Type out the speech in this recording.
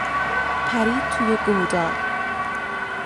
پرید توی گودال.